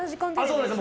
そうです。